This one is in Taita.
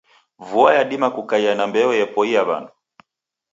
Vua yadima kukaia na mbeo yepoia wandu.